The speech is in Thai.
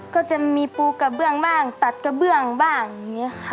ก็จะมีปูกระเบื้องบ้างตัดกระเบื้องบ้างอย่างนี้ค่ะ